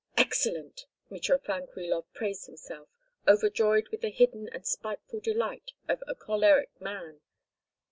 "Excellent!" Mitrofan Krilov praised himself, overjoyed with the hidden and spiteful delight of a choleric man.